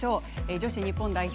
女子日本代表